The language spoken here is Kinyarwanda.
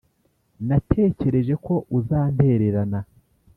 natekereje ko uzantererana ...